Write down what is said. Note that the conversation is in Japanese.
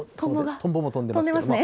とんぼも飛んでますけども。